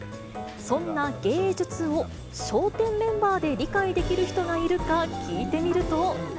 そんな芸術を笑点メンバーで理解できる人がいるか聞いてみると。